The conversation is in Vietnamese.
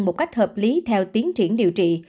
một cách hợp lý theo tiến triển điều trị